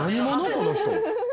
この人」